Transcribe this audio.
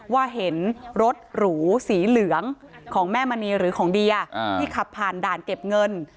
ว่าเห็นรถหรูสีเหลืองของแม่มณีหรือของเดียที่ขับผ่านด่านเก็บเงิน